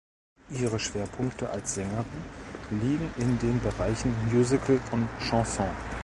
Ihre Schwerpunkte als Sängerin liegen in den Bereichen Musical und Chanson.